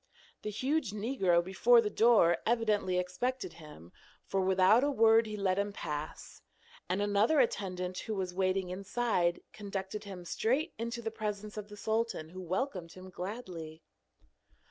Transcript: The huge negro before the door evidently expected him, for without a word he let him pass, and another attendant who was waiting inside conducted him straight into the presence of the sultan, who welcomed him gladly.